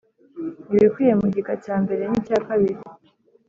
Ibikubiye mu gika cya mbere n icyakabiri